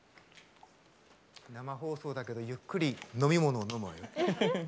生放送だけど、ゆっくり飲み物を飲むわよ。